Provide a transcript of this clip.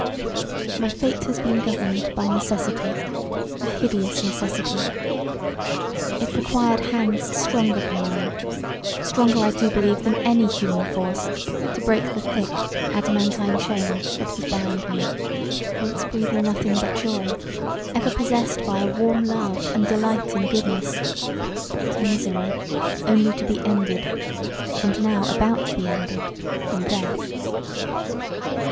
My fate has been governed by necessity, a hideous necessity. It required hands stronger than mine; stronger I do believe than any human force to break the thick, adamantine chain that has bound me, once breathing nothing but joy, ever possessed by a warm love & delight in goodness, to misery only to be ended, and now about to be ended, in death.